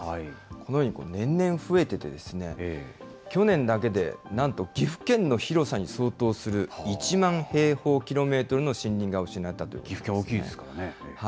このように年々増えててですね、去年だけでなんと、岐阜県の広さに相当する１万平方キロメートルの森林が失われたと岐阜県、大きいですからね。